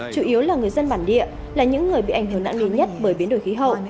chủ yếu là người dân bản địa là những người bị ảnh hưởng nặng nề nhất bởi biến đổi khí hậu